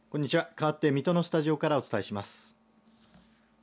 かわって水戸のスタジオからお伝えします。